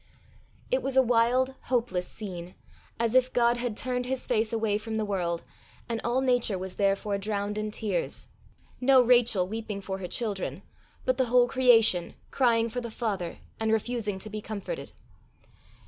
It was a wild, hopeless scene as if God had turned his face away from the world, and all Nature was therefore drowned in tears no Rachel weeping for her children, but the whole creation crying for the Father, and refusing to be comforted.